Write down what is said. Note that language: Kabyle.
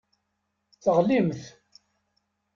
Teɣlimt.